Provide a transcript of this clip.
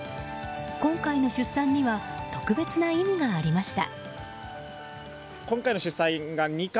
今回の出産には特別な意味がありました。